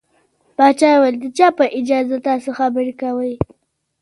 پاچا وويل د چا په اجازه تاسو خبرې کوٸ.